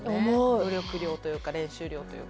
努力量というか練習量というか。